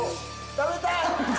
食べたい！